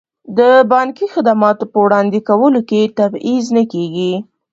د بانکي خدماتو په وړاندې کولو کې تبعیض نه کیږي.